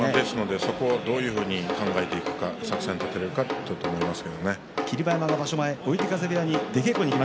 どういうふうに考えていくか作戦を立てるかだと思います。